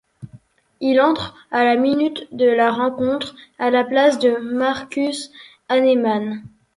Il entre à la minute de la rencontre, à la place de Marcus Hahnemann.